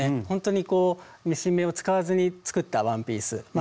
ほんとにこうミシン目を使わずに作ったワンピース。